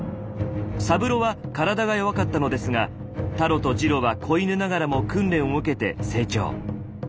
サブロは体が弱かったのですがタロとジロは子犬ながらも訓練を受けて成長。